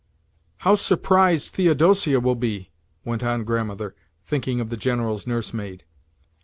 "How surprised Theodosia too will be!" went on the Grandmother (thinking of the General's nursemaid).